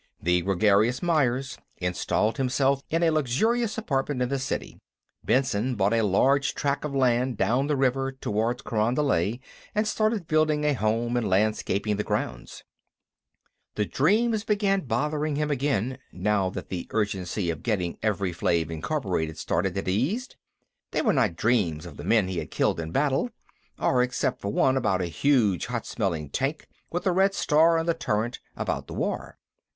The gregarious Myers installed himself in a luxurious apartment in the city; Benson bought a large tract of land down the river toward Carondelet and started building a home and landscaping the grounds. The dreams began bothering him again, now that the urgency of getting Evri Flave, Inc., started had eased. They were not dreams of the men he had killed in battle, or, except for one about a huge, hot smelling tank with a red star on the turret, about the war.